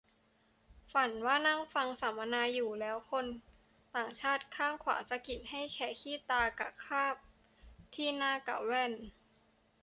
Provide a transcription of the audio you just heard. ฝันว่านั่งฟังสัมมนาอยู่ แล้วคนต่างชาติด้านขวา สะกิดให้แคะขี้ตากะคราบที่หน้ากะแว่น